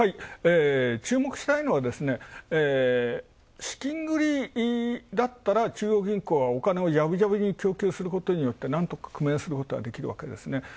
注目したいのは、資金繰りだったら中央銀行がお金をじゃぶじゃぶに供給することによってなんとか工面することができるね。